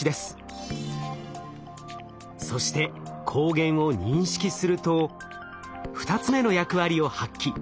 そして抗原を認識すると２つ目の役割を発揮。